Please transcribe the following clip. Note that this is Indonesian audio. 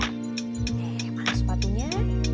eh mana sepatunya